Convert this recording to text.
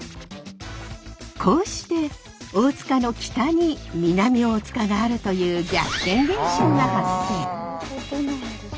こうして大塚の北に南大塚があるという逆転現象が発生。